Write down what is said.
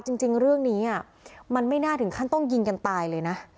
จริงเรื่องนี้มันไม่น่าถึงขั้นต้องยิงกันตายเลยนะ